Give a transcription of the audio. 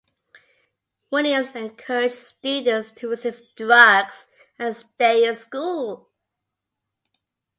Williams encouraged students to resist drugs and stay in school.